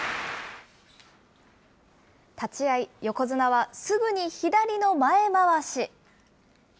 立ち合い、横綱はすぐに左の前まわし。